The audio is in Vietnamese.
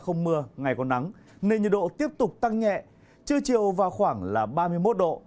không mưa ngày có nắng nên nhiệt độ tiếp tục tăng nhẹ trưa chiều vào khoảng ba mươi một độ